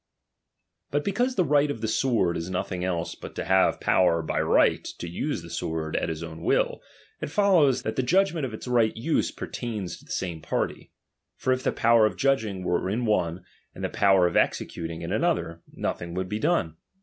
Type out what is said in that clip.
But because the right of the sword, is nothing 31. else but to have power by right to use the sword at his own will, it follows, that the judgment of its right use pertains to the same party ; for if the power of judging were in one, and the power of executing in another, nothing would be done.